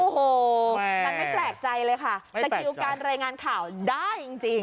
โอ้โฮมันไม่แปลกใจเลยค่ะแต่เกี่ยวกับการรายงานข่าวได้จริง